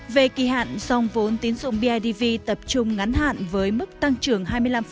về kỳ hạn dòng vốn tín dụng bidv tập trung ngắn hạn với mức tăng trưởng hai mươi năm